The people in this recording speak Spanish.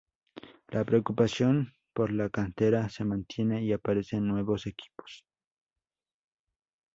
La preocupación por la cantera se mantiene y aparecen nuevos equipos.